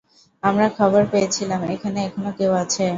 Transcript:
আমরা খবর পেয়েছিলাম, এখানে এখনও কেউ আছে!